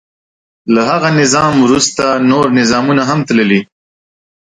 له هغه نظام وروسته نور نظامونه هم تللي.